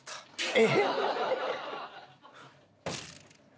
えっ？